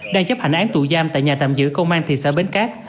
đang chấp hành án tù giam tại nhà tạm giữ công an thị xã bến cát